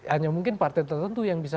hanya mungkin partai tertentu yang bisa